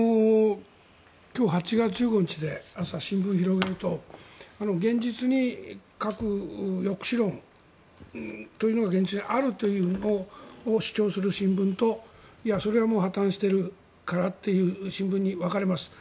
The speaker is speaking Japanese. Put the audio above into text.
今日８月１５日で朝、新聞を広げると核抑止論というのが現実にあるというのを主張する新聞とそれは破たんしているからという新聞に分かれます。